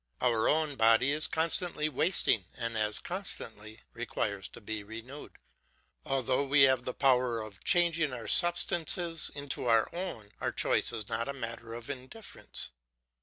Our own body is constantly wasting and as constantly requires to be renewed. Although we have the power of changing other substances into our own, our choice is not a matter of indifference.